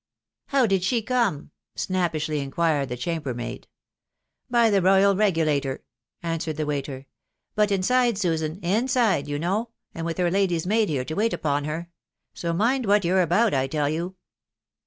" How did she come ?" snappishly inquired the chamber maid. " By the Royal Regulator," answered the waiter. " But inside, Susan, inside, you know, and with her lady's maid here to wait upon her; so mind what you're about, I tall you."